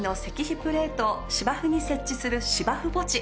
プレートを芝生に設置する芝生墓地。